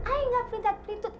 aku gak perintah pelintut